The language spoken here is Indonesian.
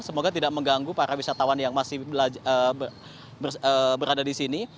semoga tidak mengganggu para wisatawan yang masih berada di sini